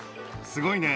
すごいね。